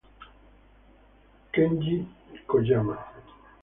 Kenji Koyama